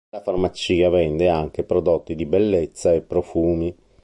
La farmacia vende anche prodotti di bellezza e profumi.